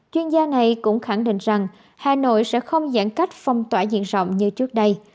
chuyên gia này cũng khẳng định rằng hà nội sẽ không giãn cách phong tỏa diện rộng như trước đây